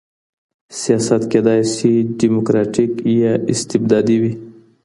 سياست کېدای سي ډيموکراټيک يا استبدادي وي.